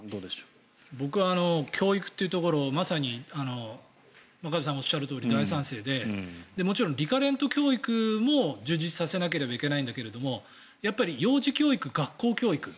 僕は教育というところまさに真壁さんがおっしゃるとおり大賛成でもちろんリカレント教育も充実させなければいけないんだけどやっぱり幼児教育、学校教育。